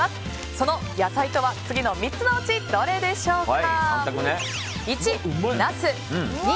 その野菜とは、次の３つのうちどれでしょうか。